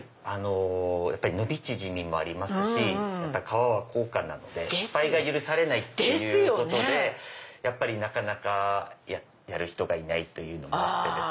やっぱり伸び縮みもありますし革は高価なので失敗が許されないってことでなかなかやる人がいないのもあって。